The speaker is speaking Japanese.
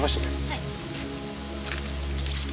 はい。